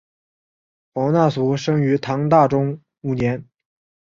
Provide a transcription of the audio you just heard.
黄讷裕生于唐大中五年。